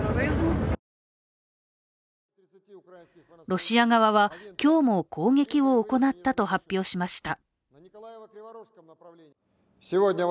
ロシア側は今日も攻撃を行ったと発表しました